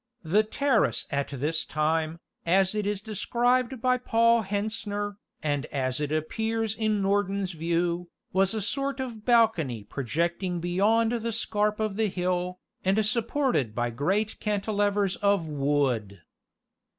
The terrace at this time, as it is described by Paul Hentzner, and as it appears in Norden's view, was a sort of balcony projecting beyond the scarp of the hill, and supported by great cantilevers of wood.